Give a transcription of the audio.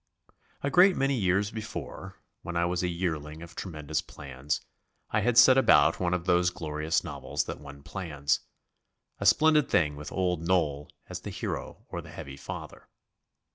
A great many years before, when I was a yearling of tremendous plans, I had set about one of those glorious novels that one plans a splendid thing with Old Noll as the hero or the heavy father.